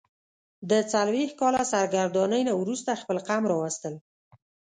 د څلوېښت کاله سرګرانۍ نه وروسته خپل قوم راوستل.